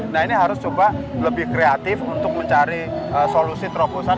nah ini harus coba lebih kreatif untuk mencari solusi terobosan